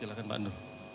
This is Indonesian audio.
silahkan pak ando